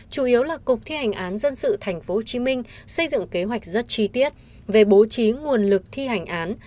chủ yếu là cục thi hành án dân sự tp hcm xây dựng kế hoạch rất chi tiết về bố trí nguồn lực thi hành án